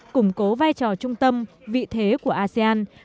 củng cố vai trò trung tâm vị thế của asean